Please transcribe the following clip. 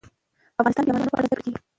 افغانستان کې د تنوع په اړه زده کړه کېږي.